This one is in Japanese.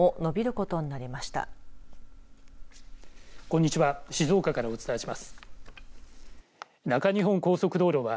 こんにちは。